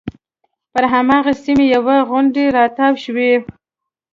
پر هماغه سیمه یوه غونډۍ راتاو شوې.